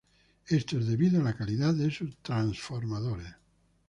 Esto es debido a la calidad de sus transformadores.